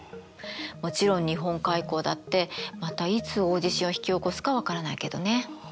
もちろん日本海溝だってまたいつ大地震を引き起こすか分からないけどね。